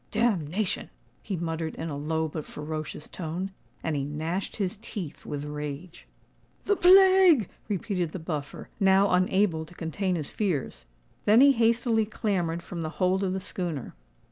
"Damnation!" he muttered in a low but ferocious tone; and he gnashed his teeth with rage. "The plague!" repeated the Buffer, now unable to contain his fears. Then he hastily clambered from the hold of the schooner.